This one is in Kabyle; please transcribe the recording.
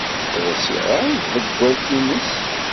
Ad as-iɣer i tḍewwalt-nnes.